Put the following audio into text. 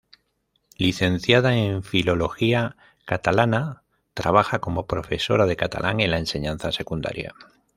Licenciada en filología catalana, trabaja como profesora de catalán en la enseñanza secundaria.